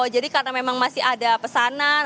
jadi karena memang masih ada pesanan